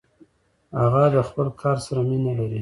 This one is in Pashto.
هغه د خپل کار سره مینه لري.